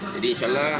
jadi insya allah